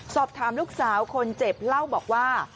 สอบถามลูกสาวคนเจ็บเล่าบอกว่า